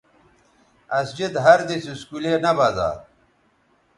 اسجد ہر دِس اسکولے نہ بزا